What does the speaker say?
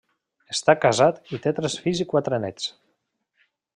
Està casat i té tres fills i quatre néts.